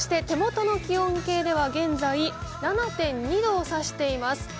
手元の気温計では現在、７．２度を指しています。